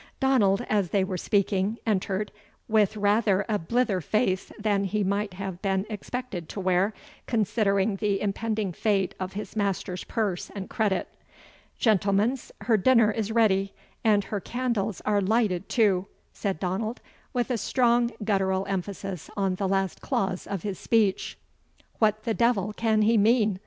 Donald, as they were speaking, entered, with rather a blither face than he might have been expected to wear, considering the impending fate of his master's purse and credit. "Gentlemens, her dinner is ready, and HER CANDLES ARE LIGHTED TOO," said Donald, with a strong guttural emphasis on the last clause of his speech. "What the devil can he mean?"